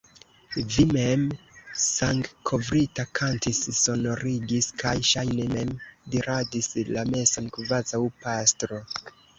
Vi mem, sangkovrita, kantis, sonorigis kaj, ŝajne, mem diradis la meson, kvazaŭ pastro.